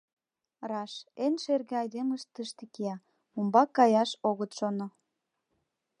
Раш, эн шерге айдемышт тыште кия, умбак каяш огыт шоно...